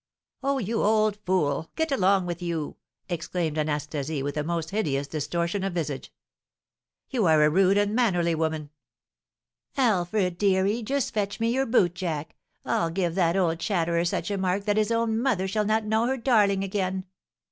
"Oh, you old fool! Get along with you!" exclaimed Anastasie, with a most hideous distortion of visage. "You are a rude, unmannerly woman!" "Alfred, deary, just fetch me your boot jack: I'll give that old chatterer such a mark that his own mother shall not know her darling again!"